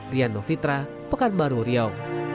rian novitra pekanbaru riau